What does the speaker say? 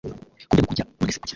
Kurya no kurya! None se kuki,